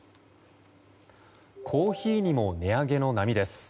コーヒーにも値上げの波です。